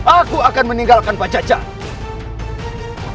aku akan meninggalkan pajak jarak